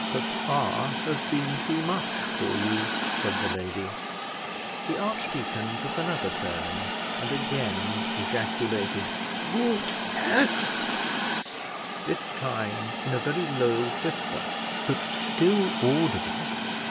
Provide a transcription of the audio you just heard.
"Papa has been too much for you," said the lady. The archdeacon took another turn, and again ejaculated, "Good heavens!" this time in a very low whisper, but still audible.